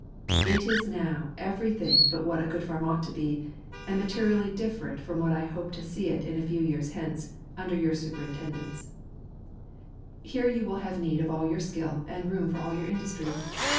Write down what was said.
It is now every thing but what a good farm ought to be, and materially dif ferent from what I hope to see it a few years hence, under your superintendance n JANUARY. Here you will have need of all your skill, and room for all your industry.